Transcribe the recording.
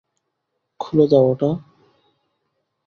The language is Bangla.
খুলে দাও ওটা!